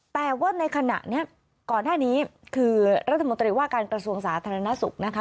แต่ว่าในขณะนี้ก่อนหน้านี้คือรัฐมนตรีว่าการกระทรวงสาธารณสุขนะคะ